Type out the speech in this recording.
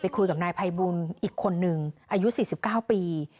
คุยกับนายภัยบูลอีกคนนึงอายุ๔๙ปี